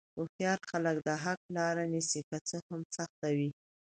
هوښیار خلک د حق لاره نیسي، که څه هم سخته وي.